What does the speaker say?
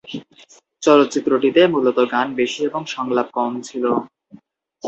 চলচ্চিত্রটিতে মূলত গান বেশি এবং সংলাপ কম ছিল।